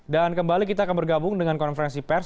dan kembali kita akan bergabung dengan konferensi pers